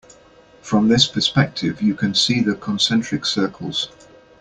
From this perspective you can see the concentric circles.